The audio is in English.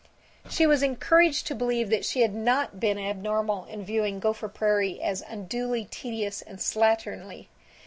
IV She was encouraged to believe that she had not been abnormal in viewing Gopher Prairie as unduly tedious and slatternly.